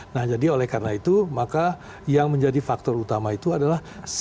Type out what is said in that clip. nah jadi oleh karena itu maka yang menjadi faktor utama itu adalah